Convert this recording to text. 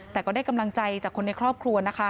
แต่ก็ได้กำลังใจจากคนในครอบครัวนะคะ